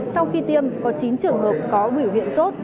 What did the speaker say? sau khi tiêm có chín trường hợp có biểu hiện sốt